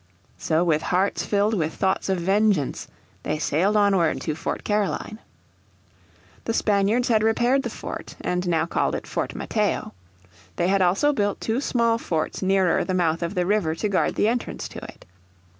So with hearts filled with thoughts of vengeance they sailed onward to Fort Caroline. The Spaniards had repaired the fort and now called it Fort Mateo. They had also built two small forts nearer the mouth of the river to guard the entrance to it.